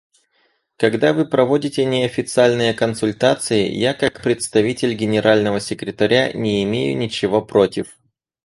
Когда вы проводите неофициальные консультации, я как представитель Генерального секретаря, не имею ничего против.